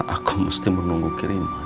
aku mesti menunggu kiriman